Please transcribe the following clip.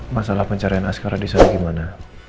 masalah pencarian askara disana gimana